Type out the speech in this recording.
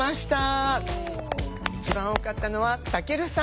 一番多かったのはたけるさん。